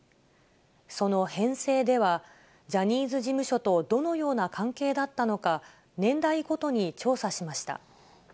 その編成では、ジャニーズ事務所とどのような関係だったのか、年代ごとに調査しました。